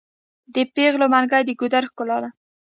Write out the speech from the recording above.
د پیغلو منګي د ګودر ښکلا ده.